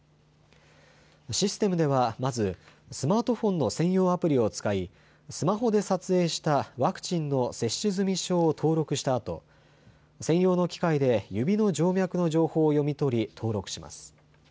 システムではまずスマートフォンの専用アプリを使いスマホで撮影したワクチンの接種済証を登録したあと専用の機械で指の静脈の情報を読み取り登録します。